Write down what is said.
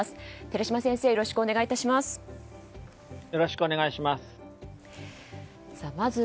寺嶋先生、よろしくお願いします。